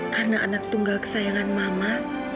karena anak tunggal kesayangan mama